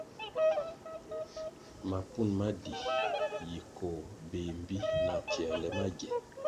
Mapun ma di yi koh béh mbpi na pfięrle magie.